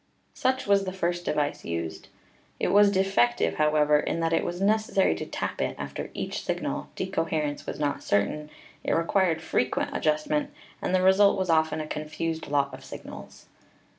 Such was the first device used. It was defective, however, in that it was necessary to tap it after each signal, decoherence was not certain, it required frequent adjustment, and the result was often a confused lot of signals.